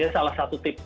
sehingga salah satu tip